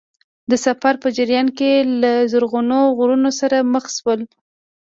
د سفر په جریان کې له زرغون غرونو سره مخ شول.